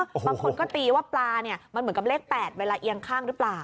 บางคนก็ตีว่าปลาเนี่ยมันเหมือนกับเลข๘เวลาเอียงข้างหรือเปล่า